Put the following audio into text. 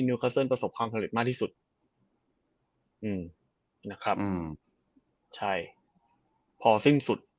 คัสเซิลประสบความสำเร็จมากที่สุดอืมนะครับอืมใช่พอสิ้นสุด